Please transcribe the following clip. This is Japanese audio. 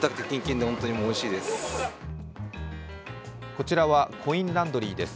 こちらはコインランドリーです。